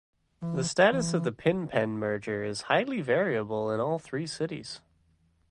The status of the pin-pen merger is highly variable in all three cities.